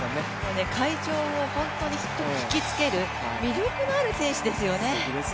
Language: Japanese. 会場を本当に引き付ける、魅力のある選手ですよね。